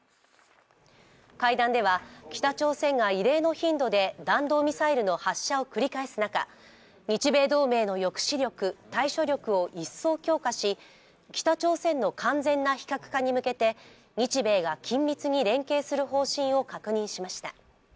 会談では、北朝鮮が異例の頻度で弾道ミサイルの発射を繰り返す中日米同盟の抑止力、対処力を一層強化し、北朝鮮の完全な非核化に向けて日米が緊密に連携する方針を確認しました。